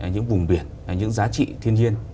những vùng biển những giá trị thiên nhiên